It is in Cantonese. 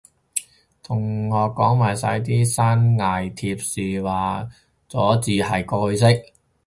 同學講埋晒啲山埃貼士話個咗字係過去式